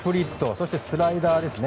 そしてスライダーですね。